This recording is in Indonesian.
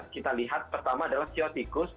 kita lihat pertama adalah siwa tikus